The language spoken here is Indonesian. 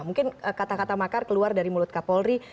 mungkin kata kata makar keluar dari mulut kapolri